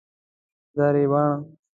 درابڼ